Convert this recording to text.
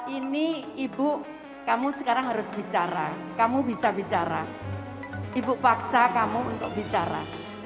ini ibu kamu sekarang harus bicara kamu bisa bicara ibu paksa kamu untuk bicara